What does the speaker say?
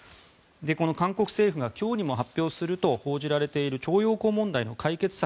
この韓国政府が今日にも発表すると報じられている徴用工問題の解決策